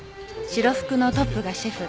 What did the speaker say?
白服のトップがシェフ。